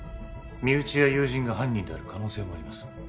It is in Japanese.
身内や友人が犯人である可能性もあります